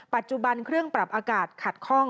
ปัจจุบันเครื่องปรับอากาศขัดคล่อง